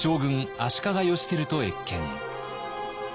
足利義輝と謁見。